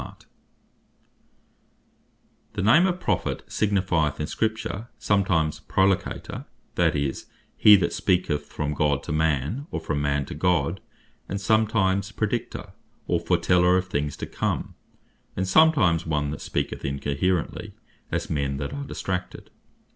Divers Acceptions Of The Word Prophet The name of PROPHET, signifieth in Scripture sometimes Prolocutor; that is, he that speaketh from God to Man, or from man to God: And sometimes Praedictor, or a foreteller of things to come; And sometimes one that speaketh incoherently, as men that are distracted.